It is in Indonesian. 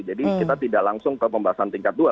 jadi kita tidak langsung ke pembahasan tingkat dua